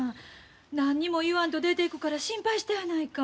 何にも言わんと出ていくから心配したやないか。